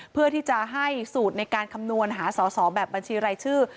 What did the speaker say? เพื่อที่จะให้สูตรในการคำนวณหาสอสอแบบบัญชีรายชื่อ